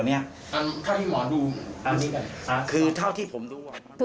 เป็นเรื่องหนี้สิทธิ์ทุกวันถูกไหมครับ